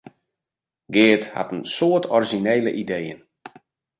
Geart hat in soad orizjinele ideeën.